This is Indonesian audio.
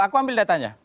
aku ambil datanya